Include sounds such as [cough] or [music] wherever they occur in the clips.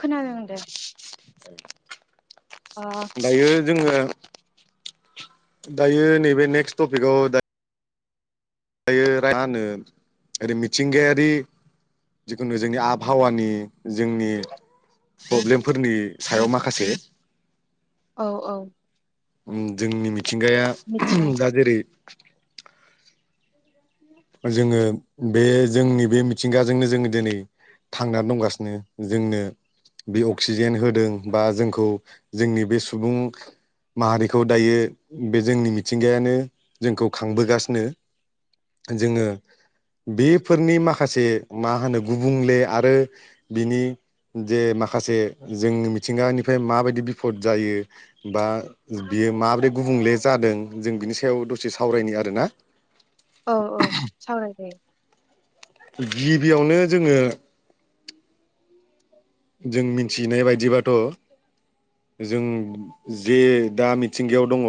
खोनादोंदे अ दायो जोङो दायो नैबे नेक्स टपिकआव दा यो मा होनो ओरै मिथिंगायारि जिखुनु जोंनि आबहावानि जोंनि प्रब्लेमफोरनि सायाव माखासे औ औ। उम जोंनि मि थिंगाया मिथिं दा जेरै [inaudible] जोङो बे जोंनि बे मिथिंगाजोंनो जोङो दिनै थांनानै दंगासिनो जोंनो बे अक्सिजेन होदों बा जोंखौ जोंनि बे सुबुं माहारिखौ दायो बे जोंनि मिथिंगायानो जोंखौ खांबोगासिनो जोङो बेफोरनि माखासे मा होनो गुबुंले आरो बिनि जे माखासे जोंनि मिथिंगानिफ्राय माबायदि बिफद जायो बा बियो माबायदि गुबुंले जादों जों बिनि सायाव दसे सावरायनि आरोना औ औ सावरायजायो गिबियावनो जोङो जों मिनथिनाय बायदिबाथ' जों जे दा मिथिंगायाव दङ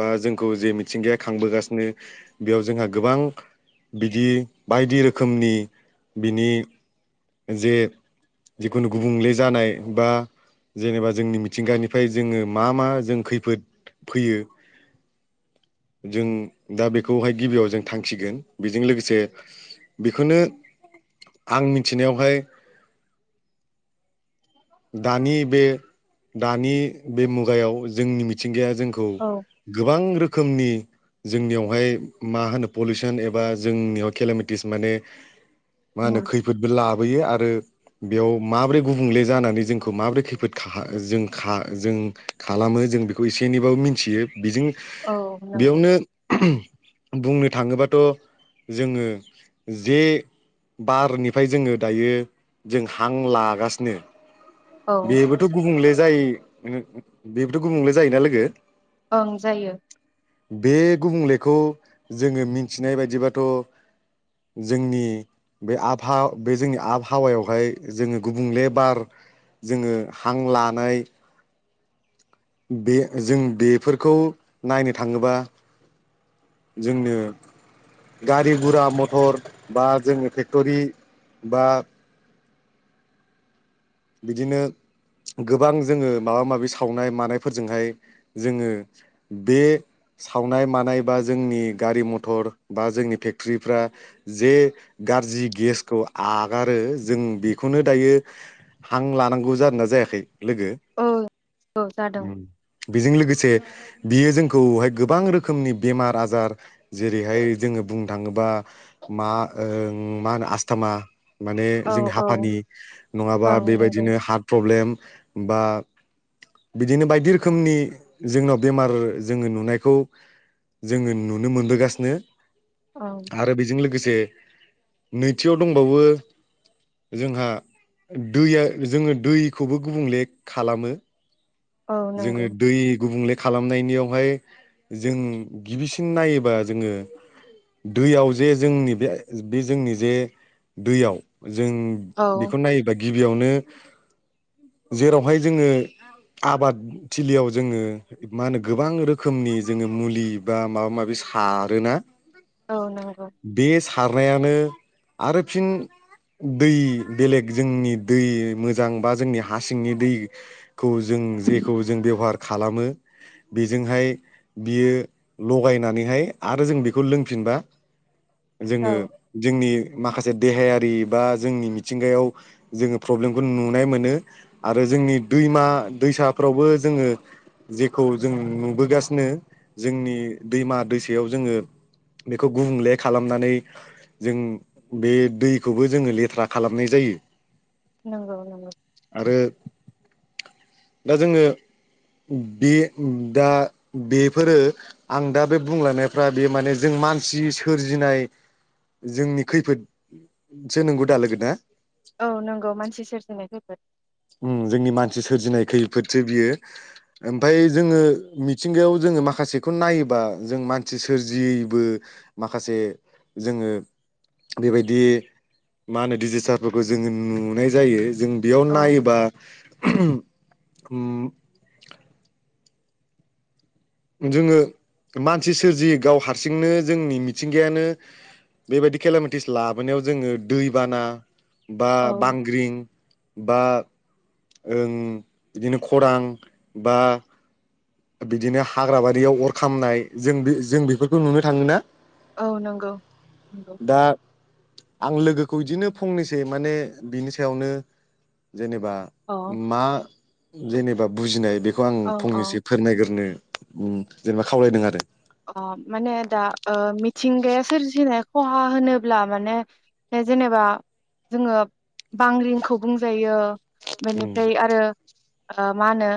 बा जोंखौ जे मिथिंगाया खांबोगासिनो बेयाव जोंहा गोबां बिदि बायदि रोखोमनि बिनि जे जिखुनु गुबुंले जानाय बा जेनेबा जोंनि मिथिंगानिफ्राय जोङो मा मा जों खैफोद फैयो जों दा बेखौहाय गिबियाव जों थांखिगोन बेजों लोगोसे बेखौनो आं मि मिथिनायावहाय दानि बे दानि बे मुगायाव जोंनि मिथि मिंथिंगाया जोंखौ औ गोबां रोखो रोखोमनि जोंनियावहाय मा होनो पलिउसन एबा जोंनियाव केेलेमेटिस माने मा होनो उम खैफोदबो लाबोयो आरो बेयाव माबोरै गुबुंले जानानै जोंखौ माबोरै खैफोद जों जों खालामो जों बेखौ एसे एनैबाबो मिथियो बिजों औ नंगौ बेयावनो बुंनो थाङोबाथ' जोङो जे बारनिफ्राय जोङो दायो जों हां लागासिनो औ बेबोथ' गुबुंले जाय बेबोथ' गुबुंले जायोना लोगो? ओं जायो बे गुबुंले बेखौ जोङो मिथिनाय बायदिबाथ' जोंनि बे आबहा बे जोंनि आबहावायावहाय जोङो गुबुंले बार जोङो हां लानाय बे जों बेफोरखौ नायनो थाङोबा जोंनो गारि गुरा मथर बा जोङो फेक्टरि बा बिदिनो गोबां जोङो माबा माबि सावनाय मानायफोरजोंहाय जोङो बे सावनाय मानाय बा जोंनि गारि मथर बा जोंनि फेक्टरिफ्रा जे गाज्रि गेसखौ आगारो जों बेखौनो दायो हां लानांगौ जादों ना जायाखै? लोगो औ औ जादों बेजों लोगोसे बियो जोंखौहाय गोबां रोखोमनि बेमार आजार जेरैहाय जोङो बुंनो थाङोबा मा मा होनो आस्थमा माने औ जों औ हाफानि नङाबा ओं नंगौ बेबायदिनो हार्ट प्रब्लेम बा बिदिनो बायदि रोखोमनि जोंनाव बेमार जोङो नुनायखौ जोङो नुनो मोनबोगासिनो ओं आरो बेजों लोगो स से नैथियाव दंबावो जोंहा दैया जोङो दैखौबो गुबुंले खालामो औ नंगौ जोङो दै गुबुंले खालामनायनियावहाय जों गिबिसिन नायोबा जोङो दैयाव जे जोंनि बे बे जोंनि जे दैयाव जों औ बेखौ नायोबा गिबियावनो जेरावहाय जोङो आबादथिलियाव जोङो मा होनो गोबां रोखोमनि जोङो मुलि बा माबा माबि सारोना औ नंगौ बे सारनायानो आरो फिन दै बेलेग जोंनि दै मोजां बा जोंनि हासिंनि दैखौ जों जेखौ जों बेवहार खालामो बेजोंहाय बियो लगायनानैहाय आरो जों बेखौ लोंफिनबा औ जोङो जोंनि माखासे देहायारि बा जोंनि मिथिंगायाव जोङो प्रब्लेमखौ नुनाय मोनो आरो जोंनि दैमा दैसाफ्रावबो जोङो जेखौ जों नुबोगासिनो जोंनि दैमा दैसायाव जोङो बेखौ गुबुंले खालामनानै जों बे दैखौबो जोङो लेथ्रा खालामनाय जायो नोंगौ नोंगौ आरो दा जोङो बे दा बेफोरो आं दा बे बुंलानायफ्रा बे माने जों मानसि सोरजिनाय जोंनि खैफोदसो नोंगौ दा लोगो ना औ नोंगौ मानसि सोरजिनाय खैफोद उम जोंनि मानसि सोरजिनाय खैफोदसो बियो ओमफाय जोङो मिथिंगायाव जोङो माखासेखौ नायोबा जों मानसि सोरजियैबो माखासे जोङो बेबायदि मा होनो डिजिस्टारफोरखौ जोङो नु नुनाय जायो जों बेयाव औ नायोब [unintelligible] उम जोङो मानसि सोरजियो गाव हारसिंनो जोंनि मिथिंगायानो बेबायदि खेलेमेटिस लाबोनायाव जोङो दैबाना बा औ बांग्रिं बा ओं बिदिनो खरां बा बिदिनो हाग्राबारियाव अर खामनाय जों बे जों बेफोरखौ नुनो थाङो ना औ नोंगौ नोंगौ दा आं लोगोखौ इदिनो फंनैसो माने बिनि सायावनो जेनेबा अ मा जेनेबा बुजिनाय बेख खौ आं ओं अ फंनैसो गोरनो ओम जेनेबा खावलायदों आरो अ माने दा ओ मिथिंगाया सोरजिनाय खहा होनोब्ला माने जेनेबा जोङो बांग्रिंखौ बुंजायो उम बेनिफ्राय आरो ओ मा होनो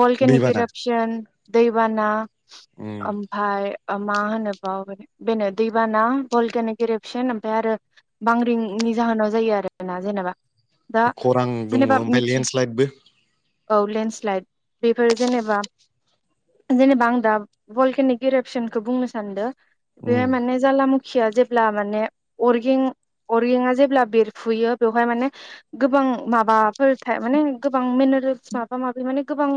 भलकेनि दैबाना किरपसन दैबाना उम ओमफाय ओ मा होनोबा बाव बेनो दैबाना बलकेने गेरेपसन ओमफ्राय आरो बांग्रिंनि जाहोनाव जायो आरोना जेनेबा दा खरां दङ जेनेबा ओमफाय मिथि लेन्ड स्लाइदबो औ लेन्ड स्लाइद बेफोर जेनेबा जेनेबा आं दा बलकेनिक एरेपसनखौ बुंनो सानदों उम बे माने जाला मु खिया जेब्ला माने अरगें-अरगेंआ जेब्ला बेरफुयो बेवहाय माने गोबां माबाफोर था माने गोबां मिनारेल्स माबा माबि माने गोबां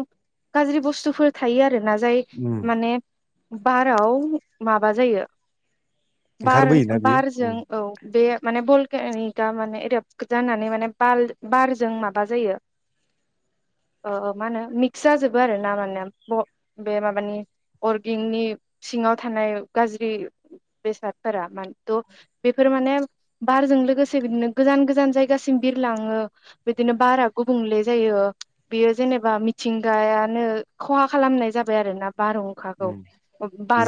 गाज्रि बुस्थुफोर थायो आ रोना जाय उम बाराव माबा जायो ओंखारबोयोना बियो बार-बारजों उम औ बे माने बलकेगा माने एरेप जानानै माने बाल बारजों माबा जायो ओ मा होनो मिक्स जाजोबो आरोना माने ब बे माबानि अरगेंनि सिङाव थानाय गाज्रि बेसादफोरा मानथ बेफोर माने बारजों लोगोसे बिदिनो गोजान-गोजान जायगासिम बिरलाङो बिदिनो बारा गुबुंले जायो बेयो जेनेबा मिथिंगायानो खहा खालामनाय जाबाय आरोना। बारहुंखाखौ ओम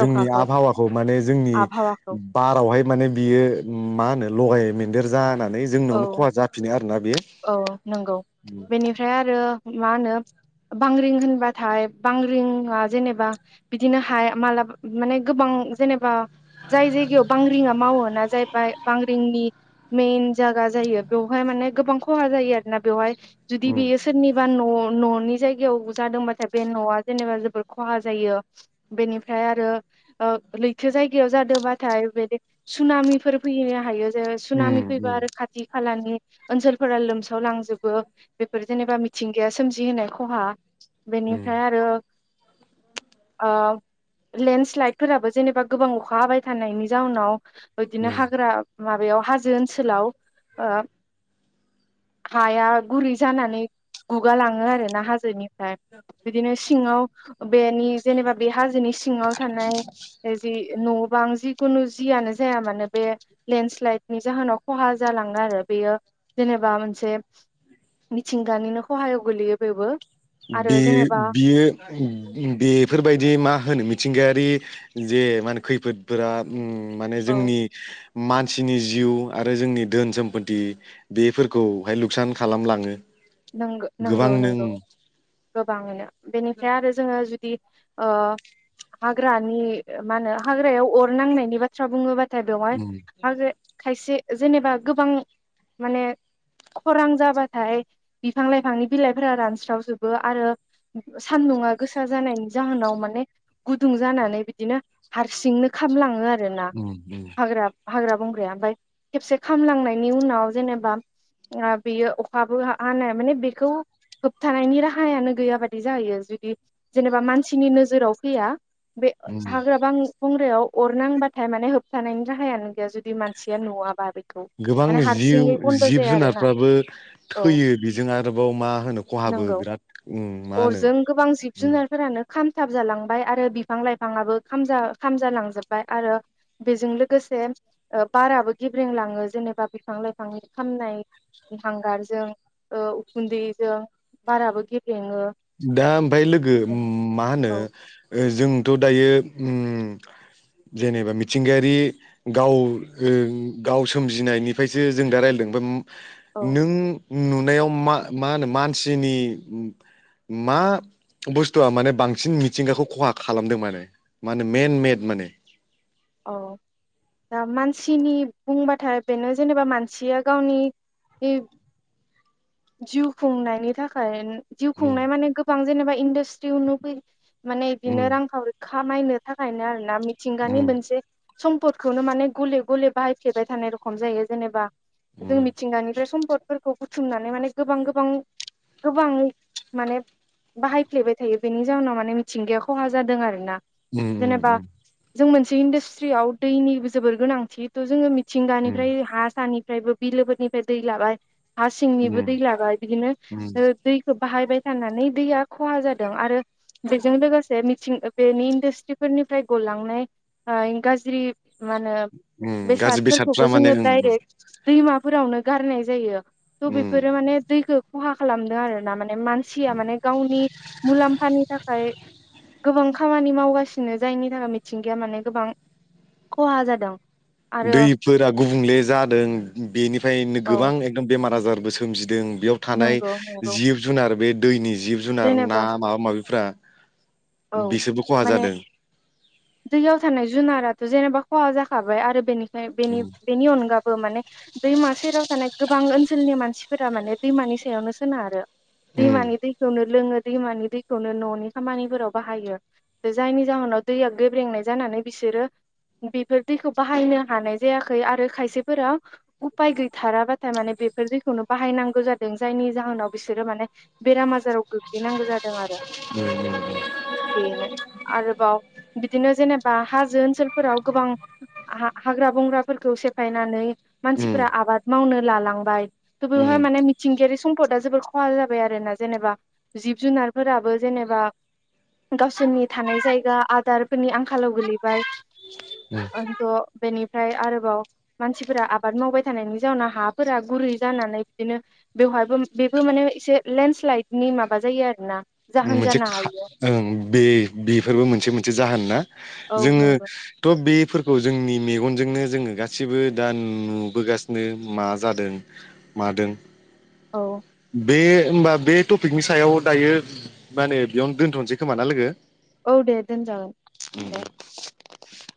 जोंनि आबहावाखौ माने जोंनि आबहावाखौ बारावहाय माने बियो मा होनो लगाय मोन देरजाना नै जोंनावनो औ खहा जाफिनो आरोना बेयो औ नंगौ बेनिफ्राय आरो मा होनो बांग्रिं होनबाथाय बांग्रिंआ जेनेबा बिदिनो हाया मालाबा माने गोबां जेनेबा जाय जायगायाव बांग्रिआ मावो ना जाहैबाय बांग्रिंनि मेन जागा जायो बेवहाय माने गोबां खहा जायो आरोना बेवहाय जुदि उम बियो‌ सोरनिबा न' न'नि जायगायाव जादोंबाथाय बे न'आ‌ जेनेबा जोबोद खहा जायो बेनिफ्राय आरो ओ लैथो जायगायाव जादोंबाथाय बेदि सुनामि फोर फैनो हायो। सुनामि उम फैबा उम आरो खालानि ओनसोलफोरा लोमसाव लांजोबो बेफोर जेनेबा मिथिंगाया सोमजिहोनाय खहा उम बेनिफ्राय आरो ओ लेन्ड स्लाइदफोराबो जेनेबा गोबां अखा हाबाय थानायनि जाहोनाव बिदिनो उम हाग्रा माबायाव हाजो ओनसोलाव ओ हाया गुरै जानानै गुगालाङो आरोना हाजोनि फ्राय बिदिनो सिङाव बेनि जेनेबा बे हाजोनि सिंआव थानाय जि न' बां जिुखुनु जियानो जाया मानो बे लेन स्लायदनि जाहोनाव खहा जालाङो आरो बेयो जेनेबा मोनसे मिथिंगानिनो खहायाव गोलैयो बेबो आरो बे जेनेबा बियो बेफोरबायदि मा होनो मिथिंगा बे जे मा होनो खैफोदफोरा ओम माने औ जोंनि मानसिनि जिउ आरो जोंनि धोन सम्फथि बेफोरखौहाय लुकसान खालामलाङो। नों नोंगौ गोबांनो नोंगौ उम गोबाङैनो बेनिफ्राय आरो जोङो जि ब ओ हाग्रानि मा होनो हाग्रायाव अर नांनायनि बाथ्रा बुङोबा थाइ बेवहाय हाग्रामा खायसे जेनेबा गोबां माने खरां जाबाथाय बिफां लाइफांनि बिलाइफोरा रानस्रावजोबो आरो सानदुंङा गोसा जानायनि जाहोनाव माने गुदुं जानानै बिदिनो हारसिंनो खामलाङो आ रोना उम उम हांग्रा-हांग्रा-बंग्रा ओमफ्राय खेबसे खालामलांनायनि उनाव जेनेबा आ बेयो अखाबो हा हानाया माने बेखौ होबथानायनि राहायानो गैया बादि जाहैयो जुदि जेनेबा मानसिनि नोजोराव फैया बे उम हाग्राबां बंग्रायाव अरनांबाथाय माने होबथानायनि राहायानो गैया जुदि मानसिया नुवाबा बि गोबां जिउ जिब आरोना जुनारफ्राबो औ थैयो बेजों आरोबाव मा होनो खहाबो नंगौ बिराद उम मा होनो अरजों गोबां जिब उउ जुनारफोरानो खामथाब जालांबाय आरो बिफां लाइफाङाबो खामजा खामजालांजोब्बाय आरो बेजों लोगोसे ओ बाराबो गेब्रेंलाङो जेनेबा बिफां लाइफांनि खामनायनि हांगारजों । ओ उखुन्दैजों बाराबो गेब दा ओमफफ्राय लोगो उम मा होनो औ जों थ' दायो उम जेनेबा मिथिंगायारि गाव ओ गाव सोमजिनायनिफ्रायसो जों दा रायजलायदों ओम औ नों नुनायाव मा मा होनो मानसिनि मा बुस्थुआ माने बांसिन मिथिंगाखौ खहा खालामदों माने मा होनो मेन मेड माने? अ दा मानसिनि बुंबाथाय बेनो जेनेबा मानसिया गावनि बिब जिउ खुंनायनि थाखायन जिउ उम खुंनाय माने गोबां जेनेबा इन्डास्ट्रियावनो फौ माने उम बिनो रां खावरि खामायनो थाखायनो आरो ना मिथिंगानि उम मोनसे सम्पदखौनो माने गले गले बाहायफ्लेबाय थानाय रखम जायो जेनेबा जों उम मिथिंगानिफ्राय सम्पद फोरखौ बुथुमना नै माने गोबां गोबां गोबां माने बाहायफ्लेबाय थायो बेनि जााहनाव माने मिथिंगाया खहा जादों आरोना उम । जेनेबा जों मोन से इन्डास्ट्रियाव दैनि जोबोर गोनांथिथ' जोङो मि उम थिंगानिफ्राय हा सानि फ्रायबो बिलोफोरनिफ्राय दै लाबाय फास सिंनिबो उम दै लाबाय बिदिनो उम ओ दैखौ बाहायबाय थानानै दैया खहा जादों आरो बेजों लोगोसे मिथिं बेनि इन्डास्ट्रिफोरनिफ्राय गलांनाय ओ गाज्रि मा होनो उम गाज्रि बेसादफ्रा बेसादफोरखौबो माने जोङो उम डाइरेक्ट दैमाफोरावनो गारनाय जायो थ' उम बेफोरो माने दैखो खहा खालामदों आरो ना माने मानसिया माने गावनि मुलाम्फानि थाखाय गोबां खामानि मावगासिनो जायनि थाखाय मिथिंगाया माने गोबां खहा जादों । दैफोरा गुबुंले जादों बेनिफ्रायनो औ गोबां एकदम बेमार आजार बो सोमजिदों बेयाव थानाय नंगौ नंगौ जिब जुनार बे दैनि जिब जुनार ना जेनेबा माबा माबिफ्रा औ बिसोरबो खहा माने जादों दैयाव थानाय जुनाराथ जेनेबा खवा जाखाबाय आरो बेनि बेनि उम बेनि अनगा बो माने दैमा सेराव थानाय गोबां ओनसोलनि मानसिफोरा माने दैमानि सायावनो सोनारो दैमानि दैखौनो लोङो दैमानि दैखौनो ननि खामानिफोराव बाहायो जायनि जाहोनाव दैया गोेब्रेंनाय जानानै बिसोरो बेफोर दैखौ बाहायनो हानाय जायाखै आरो खायसेफोरा उफाय गैथाराबाथाय माने बेफोर दैखौनो बाहायनांगौ जादों जायनि जाहोनाव बिसोरो माने बेराम आजाराव गोग्लैनांगौ जादों आरो [unintelligible] बेनो आरोबाव बिदिन जेनेबा हाजो ओनसोलफोराव गोबां हा हाग्रा बंग्राफोरखौ सेफायनानै मानसिफोरा आबाद मावनो लालांबाय थ बेवहाय उम माने मिथिंगायारि सम्पदा जोबोर खहा जाबाय आरोना जेनेबा जिब जुनारफोराबो जेनेबा गावसोरनि थानाय जायगा आदारफोरनि आंखालाव गोलैबाय उम आरोथ बेनि फ्राय आरोबाव मानसिफोरा आबाद मावबाय थानायनि जाउनाव हाफोरा गुरै जानानै बिदिनो बेवहायबो बेबो माने एसे लेन्डस्लाइदनि माबा जायो आरोना जाहोन मोनसे जानो खाब हायो ओं बे बेफोरबो मोनसे मोनसे जाहोन ना औ जोङो नंगौ थ बेफोर । खौ जोंनि मेगनजोंनो जोङो गासिबो दा नुबोगासिनो मा जादों मादों औ बे होमबा बे टपिकनि सायाव दायो माने बेयावनो दोनथनोसै खोमा ना लोगो औ दे दोनजागोन दे [inaudible]